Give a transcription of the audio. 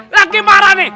lagi marah nih